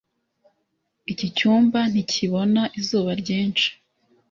Iki cyumba ntikibona izuba ryinshi